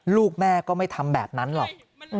ลูกแม่ก็ไม่ทำแบบนั้นหรอก